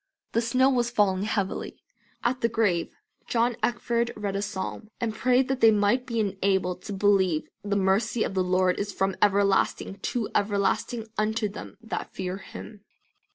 The snow was falling heavily. At the grave John Eckford read a psalm, and prayed, "that they might be enabled to believe, the mercy of the Lord is from everlasting to everlasting unto them that fear Him."